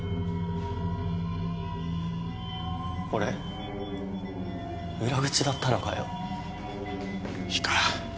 俺裏口だったのかよ。いいか。